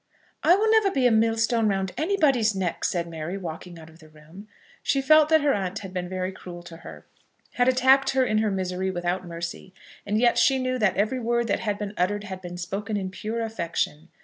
"I will never be a millstone round anybody's neck," said Mary, walking out of the room. She felt that her aunt had been very cruel to her, had attacked her in her misery without mercy; and yet she knew that every word that had been uttered had been spoken in pure affection.